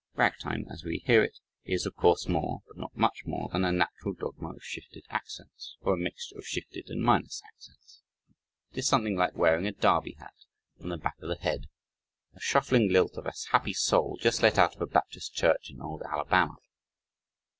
Ragtime, as we hear it, is, of course, more (but not much more) than a natural dogma of shifted accents, or a mixture of shifted and minus accents. It is something like wearing a derby hat on the back of the head, a shuffling lilt of a happy soul just let out of a Baptist Church in old Alabama.